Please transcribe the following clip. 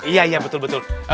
iya iya betul betul